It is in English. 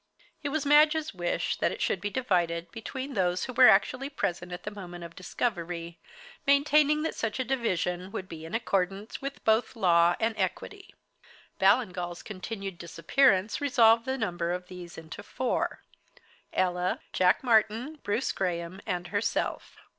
It was Madge's wish that it should be divided between those who were actually present at the moment of its discovery, maintaining that such a division would be in accordance with both law and equity. Ballingall's continued disappearance resolved the number of these into four Ella, Jack Martyn, Bruce Graham, and herself.